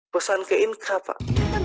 pesan ke inka pak